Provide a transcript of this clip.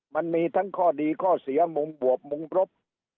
มันมีทั้งข้อดีข้อเสียมุมบวบมุมรบ